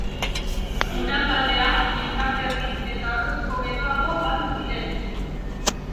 Durangaldea, Enkarterri eta Orozko geroago batu ziren.